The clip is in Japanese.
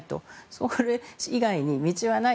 それ以外に道はない。